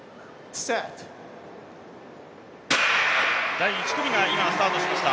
第１組が今、スタートしました。